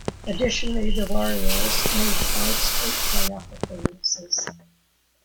Additionally, the Warriors made five straight playoff appearances.